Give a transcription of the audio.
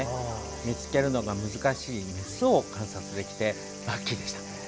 見つけるのが難しいメスを観察できてラッキーでした。